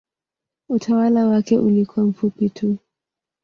Utawala wake ulikuwa mfupi tu.